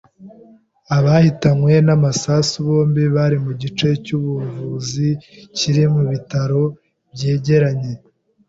Abahitanywe n’amasasu bombi bari mu gice cy’ubuvuzi kiri mu bitaro byegeranye.